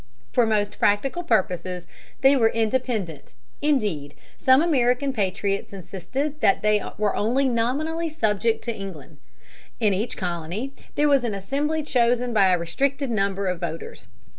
For most practical purposes they were independent, indeed, some American patriots insisted that they were only nominally subject to England. In each colony there was an assembly chosen by a restricted number of voters.